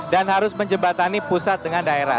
dan harus menjembatani pusat dengan daerah